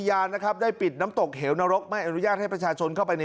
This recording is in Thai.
ยานนะครับได้ปิดน้ำตกเหวนรกไม่อนุญาตให้ประชาชนเข้าไปใน